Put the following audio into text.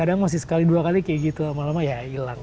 kadang masih sekali dua kali kayak gitu lama lama ya hilang